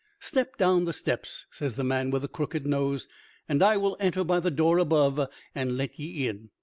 "Step down the steps," says the man with the crooked nose, "and I will enter by the door above and let ye in.